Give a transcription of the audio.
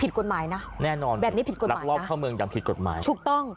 ผิดกฎหมายนะแน่นอนแบบนี้ผิดกฎหมายรักรอบเข้าเมืองอย่างผิดกฎหมายถูกต้อง